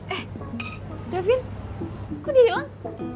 eh davin kok dia hilang